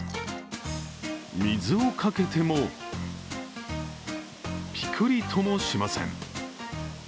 水をかけてもピクリともしません。